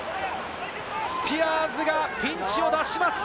スピアーズがピンチを脱します。